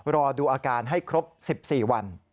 รอดูอาการให้ครบ๑๔วัน